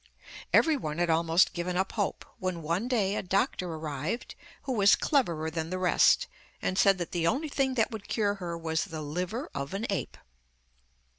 Everyone had almost given up hope, when one day a doctor arrived who was cleverer than the rest, and said that the only thing that would cure her was the liver of an ape.